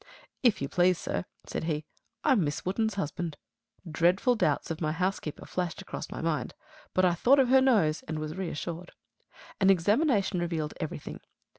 "If you please, sir," said he, "I'm Miss Wotton's husband." Dreadful doubts of my housekeeper flashed across my mind, but I thought of her nose and was reassured. An examination revealed everything.